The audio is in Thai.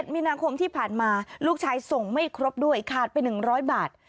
มีนาคมที่ผ่านมาลูกชายส่งไม่ครบด้วยขาดไป๑๐๐บาท